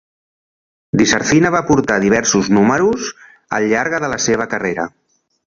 DiSarcina va portar diversos números al llarga de la seva carrera.